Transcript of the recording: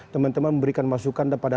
teman teman memberikan masukan kepada